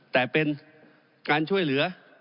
แต่เป็นการช่วยเหลือ